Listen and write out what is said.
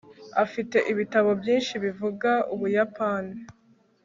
afite ibitabo byinshi bivuga ubuyapani